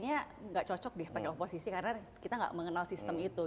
kayaknya nggak cocok deh pakai oposisi karena kita nggak mengenal sistem itu